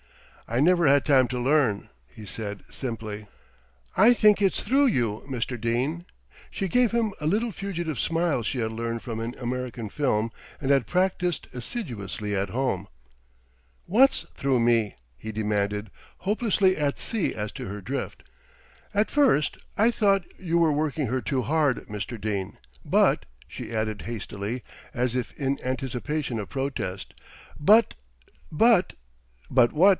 "I never had time to learn," he said simply. "I think it's through you, Mr. Dene." She gave him a little fugitive smile she had learned from an American film, and had practised assiduously at home. "What's through me?" he demanded, hopelessly at sea as to her drift. "At first I thought you were working her too hard, Mr. Dene, but," she added hastily, as if in anticipation of protest, "but but " "But what?"